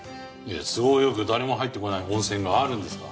都合よく誰も入ってこない温泉があるんですか？